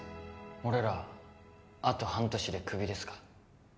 俺らあと半年でクビですか？